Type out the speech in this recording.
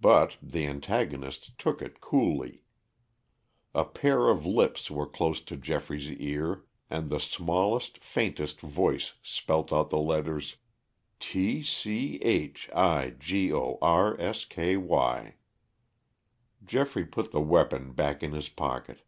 But the antagonist took it coolly. A pair of lips were close to Geoffrey's ear and the smallest, faintest voice spelt out the letters, T c h i g o r s k y. Geoffrey put the weapon back in his pocket.